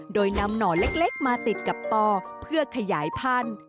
โดยนำหน่อเล็กมาติดกับต่อเพื่อขยายพันธุ์